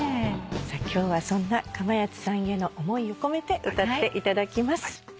今日はそんなかまやつさんへの思いを込めて歌っていただきます。